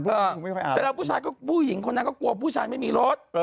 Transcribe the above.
แต่ผู้ชายผู้หญิงก็กลัวภูมิผู้ชายไม่มีรถ